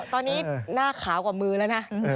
ตอนนี้หน้าขาวกว่ามือแล้วนะ